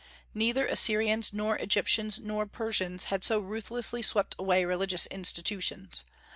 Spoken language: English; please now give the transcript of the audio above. Neither Assyrians nor Egyptians nor Persians had so ruthlessly swept away religious institutions.